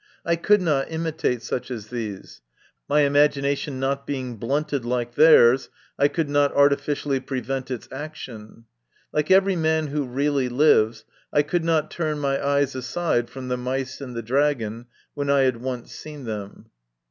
I could not imitate such as these ; my imagination not being blunted like theirs, I could not arti ficially prevent its action. Like every man who really lives, I could not turn my eyes aside from the mice and the dragon, when I had once seen them.